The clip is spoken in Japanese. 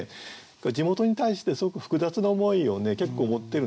地元に対してすごく複雑な思いを結構持ってるんですね。